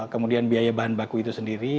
kemudian biaya bahan baku itu sendiri